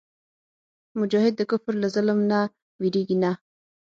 مجاهد د کفر له ظلم نه وېرېږي نه.